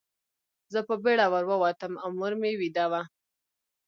زه په بېړه ور ووتم او مور مې ویده وه